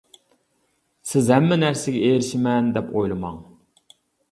سىز ھەممە نەرسىگە ئېرىشمەن، دەپ ئويلىماڭ.